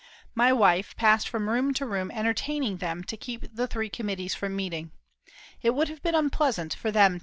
My wife [B] passed from room to room entertaining them to keep the three committees from meeting. It would have been unpleasant for them to meet.